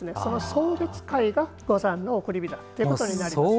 送別会が五山の送り火ということになります。